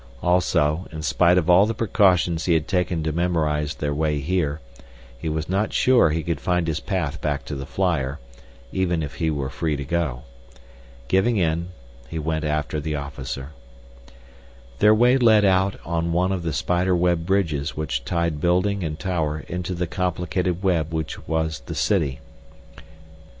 Also, in spite of all the precautions he had taken to memorize their way here, he was not sure he could find his path back to the flyer, even if he were free to go. Giving in, he went after the officer. Their way led out on one of the spider web bridges which tied building and tower into the complicated web which was the city.